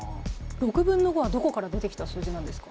６分の５はどこから出てきた数字なんですか？